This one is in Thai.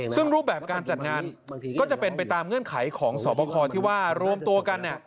ซึ่งรูปแบบการจัดงานก็จะเป็นไปตามเงื่อนไขของสอบคอที่ว่ารวมตัวกัน